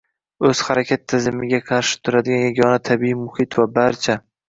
“o‘zharakat” tizimiga qarshi turadigan yagona tabiiy muhit va barcha